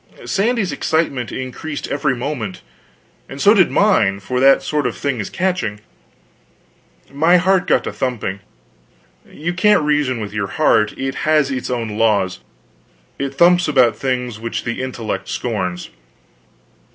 Sandy's excitement increased every moment; and so did mine, for that sort of thing is catching. My heart got to thumping. You can't reason with your heart; it has its own laws, and thumps about things which the intellect scorns.